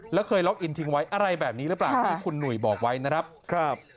แล้วเคยล็อกอินทิ้งไว้อะไรแบบนี้หรือเปล่าที่คุณหนุ่ยบอกไว้นะครับ